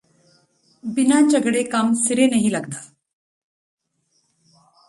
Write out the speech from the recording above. ਬਿਨ੍ਹਾਂ ਝਗੜੇ ਕੰਮ ਸਿਰੇ ਨਹੀਂ ਲਗਦਾ